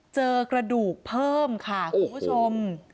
เจอกระดูกเพิ่มค่ะคุณผู้ชม